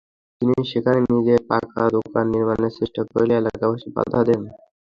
তিনি সেখানে নিজের পাকা দোকান নির্মাণের চেষ্টা করলে এলাকাবাসী বাধা দেন।